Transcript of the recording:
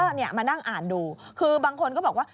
ก็เนี่ยมานั่งอ่านดูคือบางคนก็บอกว่า